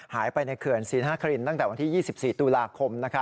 ในเขื่อนศรีนครินตั้งแต่วันที่๒๔ตุลาคม